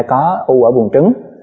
chúng ta có u ở bụng trứng